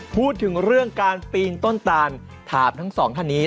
พูดถึงเรื่องการปีนต้นตานถามทั้งสองท่านนี้